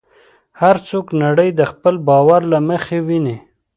هر څوک نړۍ د خپل باور له مخې ویني.